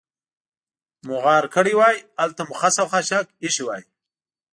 مو غار کړې وای، هلته مو خس او خاشاک اېښي وای.